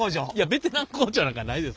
ベテラン工場なんかないです。